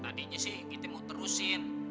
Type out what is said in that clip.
tadinya sih kita mau terusin